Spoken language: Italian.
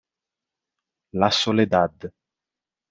La soledad